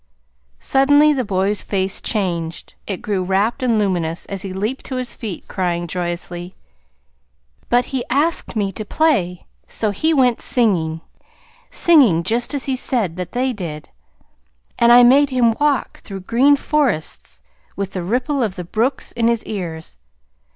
Suddenly the boy's face changed. It grew rapt and luminous as he leaped to his feet, crying joyously: "But he asked me to play, so he went singing singing just as he said that they did. And I made him walk through green forests with the ripple of the brooks in his ears!